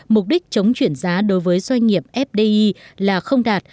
mục đích chống chuyển giá đối với doanh nghiệp fdi là không đạt